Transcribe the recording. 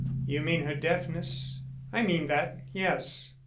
"You mean her deafness?" "I mean that, yes.